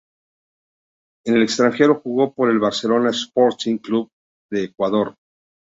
En el extranjero, jugó por el Barcelona Sporting Club de Ecuador.